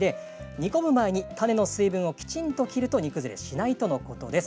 煮込む前にタネの水分をきちんと切ると煮崩れしないそうです。